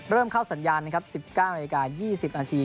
เริ่มเข้าสัญญาณ๑๙นาที๒๐นาที